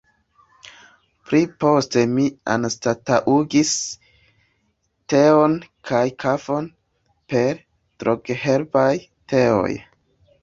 Pli poste mi anstataŭigis teon kaj kafon per drogherbaj teoj.